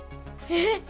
えっ！？